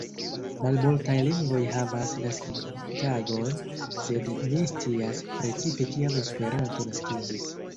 Malmultaj lingvoj havas naskiĝtagon, sed ni scias, precize kiam Esperanto naskiĝis.